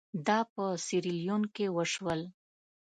دا په سیریلیون کې وشول.